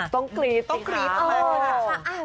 ต้องกรี๊ดต้องกรี๊ดมากค่ะ